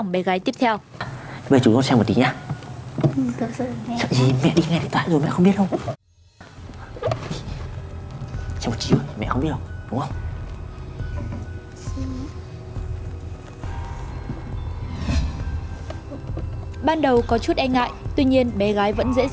bé gái lại chủ động chạy vào phòng và tự ý thay đồ